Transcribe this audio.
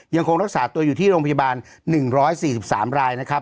ยังคงรักษาตัวอยู่ที่โรงพยาบาล๑๔๓รายนะครับ